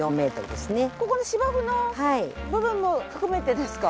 ここの芝生の部分も含めてですか？